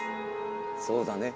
そうだね？